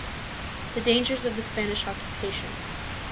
The Dangers of the Spanish Occupation.